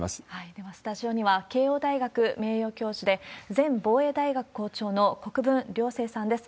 ではスタジオには、慶応大学名誉教授で、前防衛大学教授の校長の国分良成さんです。